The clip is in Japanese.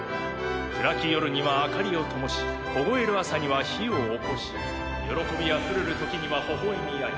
暗き夜には明かりをともし凍える朝には火をおこし喜びあふるるときにはほほ笑み合い